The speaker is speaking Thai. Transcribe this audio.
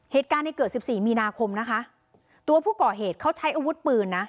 เหตุการณ์ในเกิดสิบสี่มีนาคมนะคะตัวผู้ก่อเหตุเขาใช้อาวุธปืนนะ